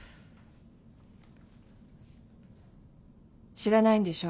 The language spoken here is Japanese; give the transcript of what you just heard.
知らないんでしょ？